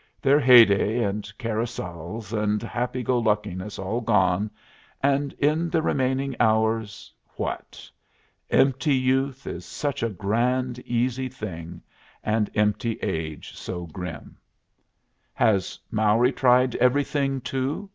Their heyday, and carousals, and happy go luckiness all gone, and in the remaining hours what? Empty youth is such a grand easy thing, and empty age so grim! "Has Mowry tried everything, too?"